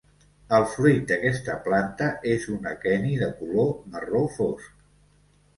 El fruit d'aquesta planta és un aqueni de color marró fosc.